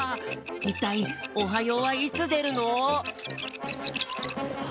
いったい「おはよう」はいつでるの？